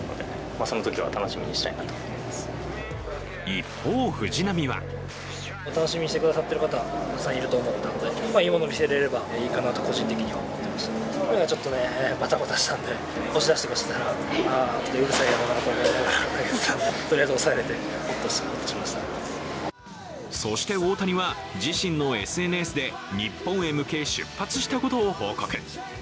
一方、藤浪はそして大谷は、自身のＳＮＳで日本へ向け出発したことを報告。